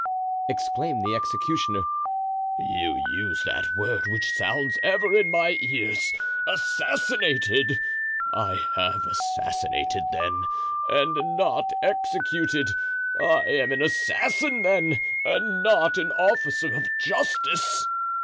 exclaimed the executioner, "you use that word which sounds ever in my ears—'assassinated!' I have assassinated, then, and not executed! I am an assassin, then, and not an officer of justice!"